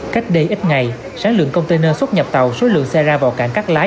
cách đây ít ngày sản lượng container xuất nhập tàu số lượng xe ra vào cảng cắt lái